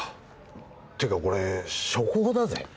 ってかこれ初稿だぜ？